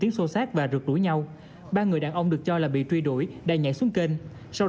tiếng xô xát và rượt đuổi nhau ba người đàn ông được cho là bị truy đuổi đã nhảy xuống kênh sau